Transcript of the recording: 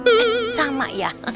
eh sama ya